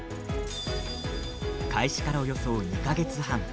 開始からおよそ２か月半。